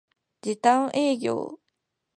時短営業